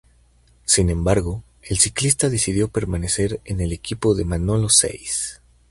Sin embargo, el ciclista decidió permanecer en el equipo de Manolo Saiz.